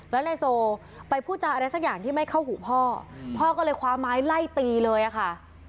แล้วนายโซไปพูดจาอะไรสักอย่างที่ไม่เข้าหูพ่อพ่อก็เลยคว้าไม้ไล่ตีเลยอะค่ะ